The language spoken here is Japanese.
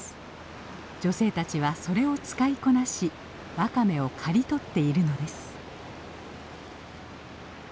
女性たちはそれを使いこなしワカメを刈り取っているのです。